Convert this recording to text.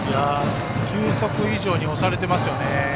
球速以上に押されていますよね。